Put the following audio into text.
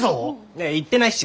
いや言ってないし。